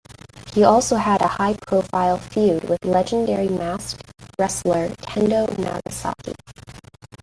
He also had a high-profile feud with legendary masked wrestler Kendo Nagasaki.